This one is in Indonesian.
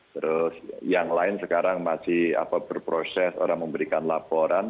terus yang lain sekarang masih berproses orang memberikan laporan